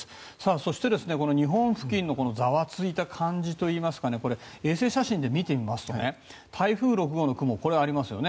そして、日本付近のざわついた感じといいますか衛星写真で見てみると台風６号の雲がありますよね。